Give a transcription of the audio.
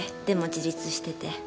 でも自立してて。